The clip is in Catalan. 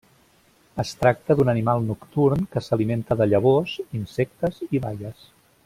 Es tracta d'un animal nocturn que s'alimenta de llavors, insectes i baies.